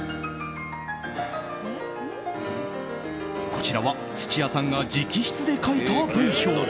こちらは、土屋さんが直筆で書いた文章。